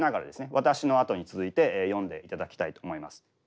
私のあとに続いて読んでいただきたいと思います。